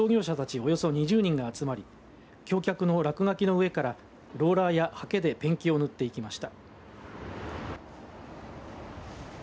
およそ２０人が集まり橋脚の落書きの上からローラーやはけでペンキを塗っていきました。